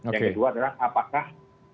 yang kedua adalah apakah